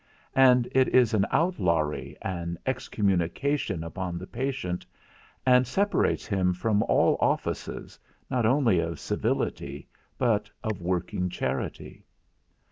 And it is an outlawry, an excommunication upon the patient, and separates him from all offices, not only of civility but of working charity.